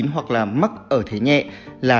hoặc là mắc ở thế nhẹ là